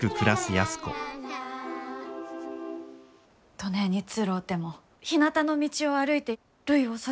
どねえにつろうてもひなたの道を歩いてるいを育てていく。